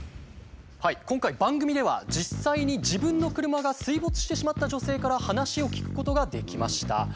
今回番組では実際に自分の車が水没してしまった女性から話を聞くことができました。